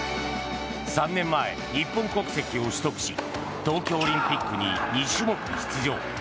３年前、日本国籍を取得し東京オリンピックに２種目出場。